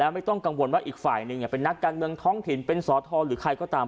ไม่ต้องกังวลว่าอีกฝ่ายหนึ่งเป็นนักการเมืองท้องถิ่นเป็นสอทรหรือใครก็ตาม